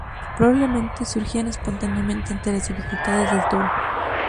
Probablemente surgían espontáneamente ante las dificultades del toro.